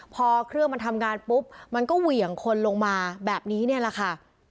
พอเครื่องมันทำงานปุ๊บมันก็เหวี่ยงคนลงมาแบบนี้เนี่ยแหละค่ะ